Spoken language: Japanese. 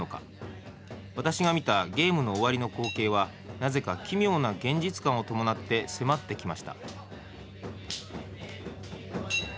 私が見たゲームの終わりの光景はなぜか奇妙な現実感を伴って迫ってきました